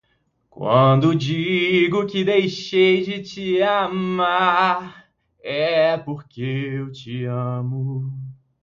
Quando eu digo que deixei de te amar é porque eu te amo